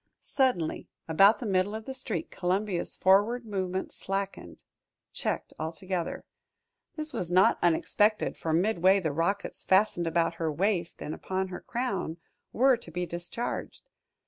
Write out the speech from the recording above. Suddenly, about the middle of the street, Columbia's forward movement slackened, checked altogether. This was not unexpected, for midway the rockets fastened about her waist, and upon her crown were to be discharged.